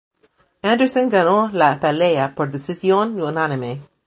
Anderson ganó la pelea por decisión unánime.